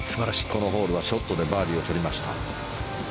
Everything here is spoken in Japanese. このホールはショットでバーディーを取りました。